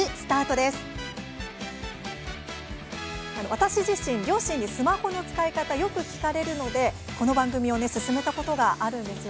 私自身、両親によくスマホの使い方、聞かれるのでこの番組おすすめしたことがあるんです。